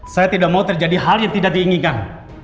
saya tidak mau terjadi hal yang tidak diinginkan